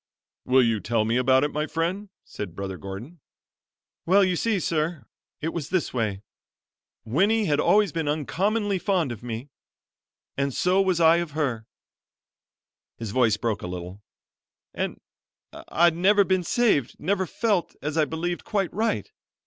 "Will you tell me about it, my friend?" said Brother Gordon. "Well, you see, sir, it was this way. Winnie always had been uncommonly fond of me; and so was I of her," his voice broke a little "and I'd never been saved, never felt, as I believed, quite right.